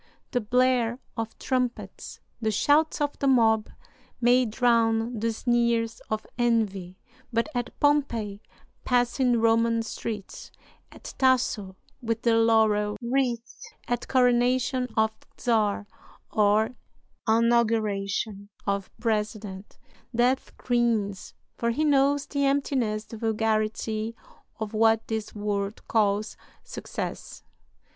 The blare of trumpets, the shouts of the mob, may drown the sneers of envy; but at Pompey passing Roman streets, at Tasso with the laurel wreath, at coronation of czar or inauguration of president, Death grins, for he knows the emptiness, the vulgarity, of what this world calls success.